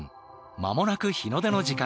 間もなく日の出の時間。